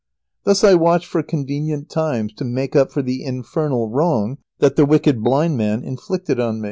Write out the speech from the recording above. Thus I watched for convenient times to make up for the infernal wrong that the wicked blind man inflicted on me.